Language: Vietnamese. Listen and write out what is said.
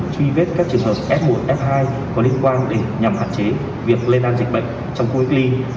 truy vết các trường hợp f một f hai có liên quan để nhằm hạn chế việc lên an dịch bệnh trong khu vực ly